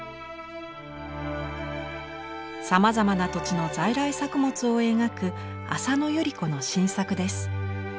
さまざまな土地の在来作物を描く浅野友理子の新作です。